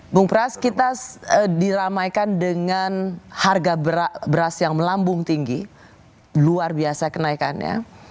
bung pras kita diramaikan dengan harga beras yang melambung tinggi luar biasa kenaikannya